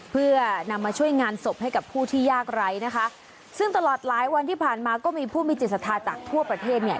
เพื่อนำมาช่วยงานศพให้กับผู้ที่ยากไร้นะคะซึ่งตลอดหลายวันที่ผ่านมาก็มีผู้มีจิตศรัทธาจากทั่วประเทศเนี่ย